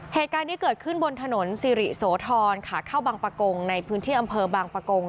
เหตุการณ์นี้เกิดขึ้นบนถนนสิริโสธรขาเข้าบางประกงในพื้นที่อำเภอบางปะกง